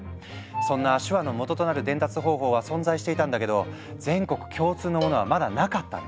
そんな手話の元となる伝達方法は存在していたんだけど全国共通のものはまだなかったんだ。